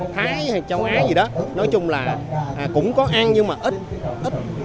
thái hay châu á gì đó nói chung là cũng có ăn nhưng mà ít ít